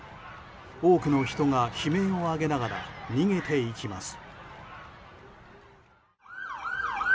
多くの人が悲鳴を上げながら逃げていきます。